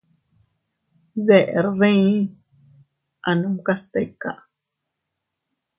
Deʼer dii, anumkas tika.